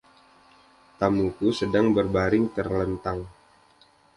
Tamuku sedang berbaring telentang.